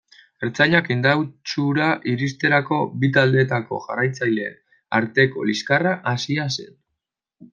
Ertzainak Indautxura iristerako, bi taldeetako jarraitzaileen arteko liskarra hasia zen.